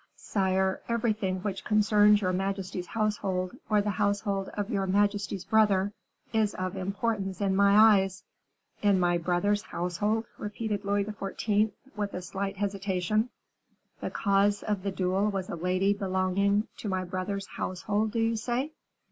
"Sire, everything which concerns your majesty's household, or the household of your majesty's brother, is of importance in my eyes." "In my brother's household," repeated Louis XIV., with a slight hesitation. "The cause of the duel was a lady belonging to my brother's household, do you say?"